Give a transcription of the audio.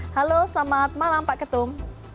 halo selamat malam pak ketum